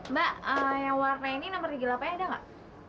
mbak yang warna ini nomor digilapanya ada gak